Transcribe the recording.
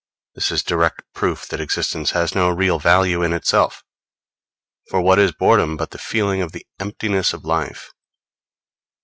This is direct proof that existence has no real value in itself; for what is boredom but the feeling of the emptiness of life?